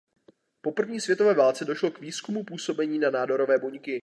Po první světové válce došlo k výzkumu působení na nádorové buňky.